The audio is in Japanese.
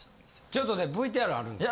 ちょっとねＶＴＲあるんで。